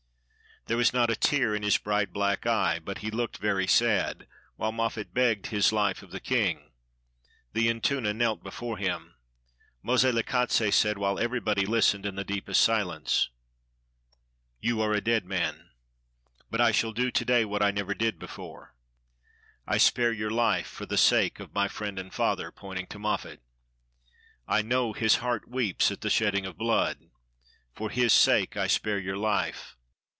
There was not a tear in his bright black eye, but he looked very sad; while Moffat begged his life of the king. The Entuna knelt before him. Mose lekatse said, while everybody listened in the deepest silence :— "You are a dead man. But I shall do to day what I never did before: I spare your Ufe for the sake of my friend and father" — pointing to Moffat. "I know his heart weeps at the shedding of blood. For his sake, I spare your life.